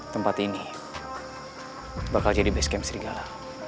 tempat ini bakal jadi base camp serigala